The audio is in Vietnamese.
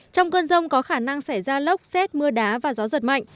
trong cơn rông có khả năng xảy ra lốc xét mưa đá và gió giật mạnh